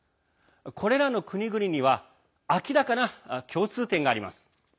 これらの国々には明らかな共通点があります。